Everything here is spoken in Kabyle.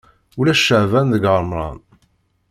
Ulac ceεban deg remḍan.